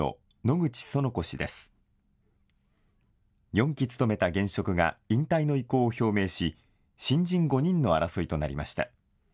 ４期務めた現職が引退の意向を表明し新人５人の争いとなりました。